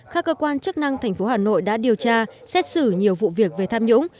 các cơ quan chức năng tp hà nội đã điều tra xét xử nhiều vụ việc về tham nhũng